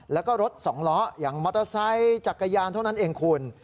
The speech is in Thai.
แล้วก็รถสองล้ออย่างมอเตอร์ไซค์จักรยานเท่านั้นเองคุณ